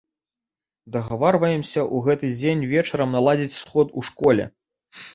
Дагаварваемся ў гэты дзень вечарам наладзіць сход у школе.